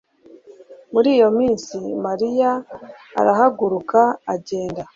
muri iyo minsi mariya arahaguruka agenda